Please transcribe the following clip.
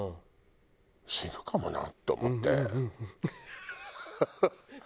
死ぬかもなと思って。